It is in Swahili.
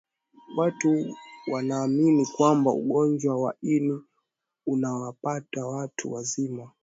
watu wanaamini kwamba ugonjwa wa ini unawapata watu wazima